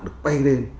được quay lên